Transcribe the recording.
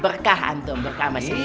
berkah antum berkah mas